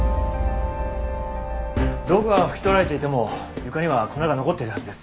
道具は拭き取られていても床には粉が残っているはずです。